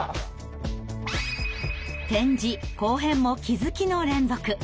点字後編も気づきの連続！